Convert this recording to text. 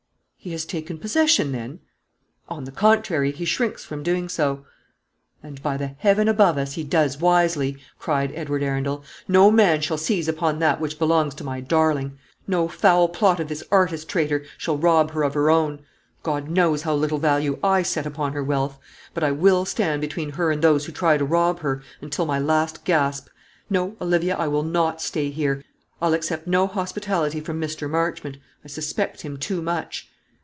"He has taken possession, then?" "On the contrary, he shrinks from doing so." "And, by the Heaven above us, he does wisely," cried Edward Arundel. "No man shall seize upon that which belongs to my darling. No foul plot of this artist traitor shall rob her of her own. God knows how little value I set upon her wealth; but I will stand between her and those who try to rob her, until my last gasp. No, Olivia; I'll not stay here; I'll accept no hospitality from Mr. Marchmont. I suspect him too much."